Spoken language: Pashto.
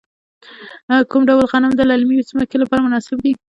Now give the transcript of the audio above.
کوم ډول غنم د للمي ځمکو لپاره مناسب دي؟